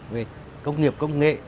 về công nghiệp công nghệ